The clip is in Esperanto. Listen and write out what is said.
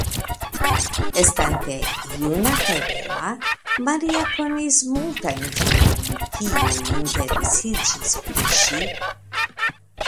Estante juna kaj bela Maria konis multajn virojn kiuj interesiĝis pri ŝi.